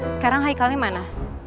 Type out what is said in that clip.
sekarang hai kalian mana